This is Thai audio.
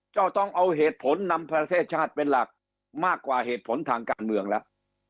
จะต้องเอาเหตุผลนำประเทศชาติเป็นหลักมากกว่าเหตุผลทางการเมืองแล้ว